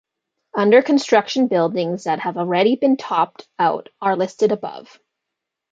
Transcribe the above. Under construction buildings that have already been topped out are listed above.